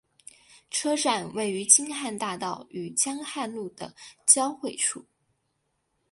车站位于京汉大道与江汉路的交汇处。